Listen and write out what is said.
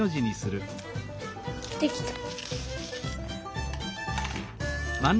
できた。